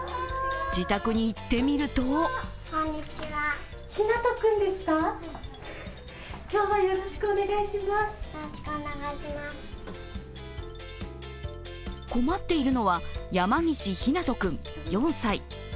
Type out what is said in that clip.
自宅に行ってみると困っているのは山岸陽南斗君４歳。